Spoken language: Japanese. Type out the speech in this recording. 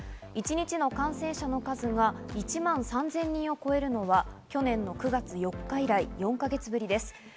一日の感染者の数が１万３０００人を超えるのは去年の９月４日以来、４か月ぶりです。